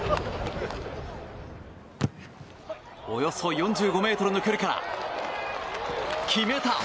およそ４５ｍの距離から決めた！